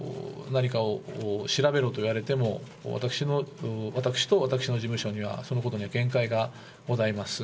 何かを調べろと言われても、私と、私の事務所には、そのことに限界がございます。